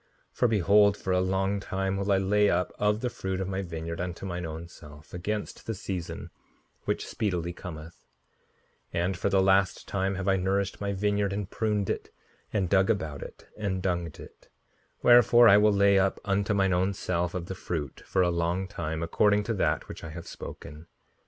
5:76 For behold, for a long time will I lay up of the fruit of my vineyard unto mine own self against the season, which speedily cometh; and for the last time have I nourished my vineyard, and pruned it, and dug about it, and dunged it; wherefore I will lay up unto mine own self of the fruit, for a long time, according to that which I have spoken.